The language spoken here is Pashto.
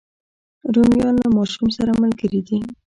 رومیان له ماشوم سره ملګري دي